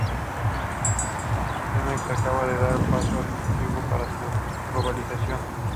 Cemex acaba de dar el paso decisivo para su globalización.